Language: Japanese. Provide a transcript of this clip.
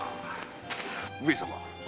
上様。